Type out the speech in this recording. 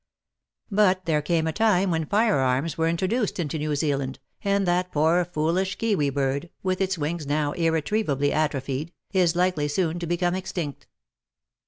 But there came a time when firearms were introduced into New Zealand, and that poor foolish kiwi bird, with its wings now irretrievably atrophied, is likely soon to become extinct.